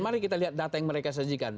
mari kita lihat data yang mereka sajikan